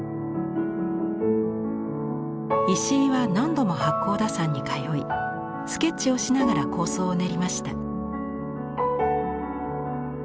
石井は何度も八甲田山に通いスケッチをしながら構想を練りました。